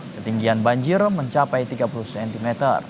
ketinggian banjir mencapai tiga puluh cm